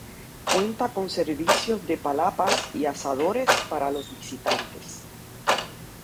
Cuenta con servicios de palapas y asadores para los visitantes.